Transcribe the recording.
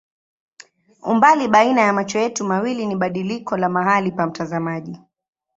Umbali baina ya macho yetu mawili ni badiliko la mahali pa mtazamaji.